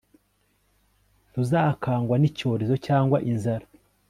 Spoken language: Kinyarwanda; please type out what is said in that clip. ntuzakangwa n'icyorezo cyangwa inzara